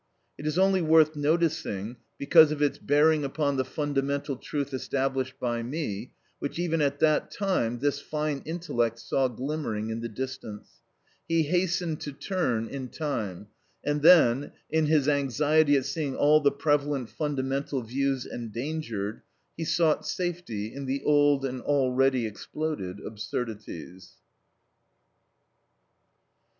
It is only worth noticing because of its bearing upon the fundamental truth established by me, which even at that time this fine intellect saw glimmering in the distance. He hastened to turn in time, and then, in his anxiety at seeing all the prevalent fundamental views endangered, he sought safety in the old and already exploded absurdities.